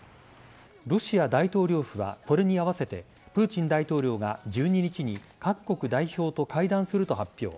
ロシア大統領府はこれに合わせてプーチン大統領が１２日に各国代表と会談すると発表。